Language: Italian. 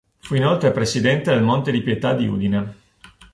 Fu inoltre presidente del Monte di Pietà di Udine.